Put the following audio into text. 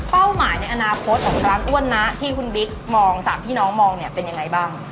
หมายในอนาคตของร้านอ้วนนะที่คุณบิ๊กมองสามพี่น้องมองเนี่ยเป็นยังไงบ้าง